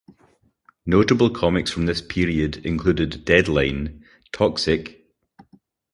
Notable comics from this period included "Deadline", "Toxic!